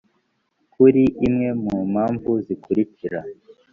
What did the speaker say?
kuri imwe mu mpamvu zikurikira